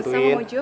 gak usah bang ojo